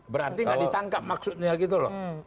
berarti nggak ditangkap maksudnya gitu loh